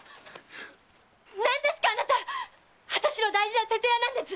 何ですかあなた⁉あたしの大事な父親なんです！